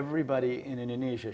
semua orang di indonesia